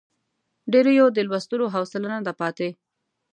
ډېریو د لوستلو حوصله نه ده پاتې.